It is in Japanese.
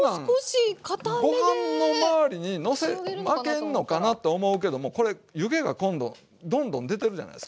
こんなんご飯の周りにまけんのかなと思うけどもこれ湯気が今度どんどん出てるじゃないですか。